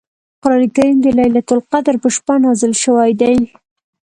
قران کریم د لیلة القدر په شپه نازل شوی دی .